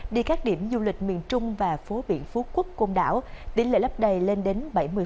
đi các điểm du lịch miền trung và phố biển phú quốc côn đảo tỷ lệ lấp đầy lên đến bảy mươi